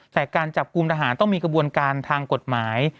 แต่การจับกลุ่มทหารต้องมีกระบวนการทางกฎหมาย